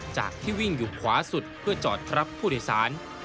จากที่วิ่งอยู่ขวาสุดเพื่อจอดรับผู้โดยสาร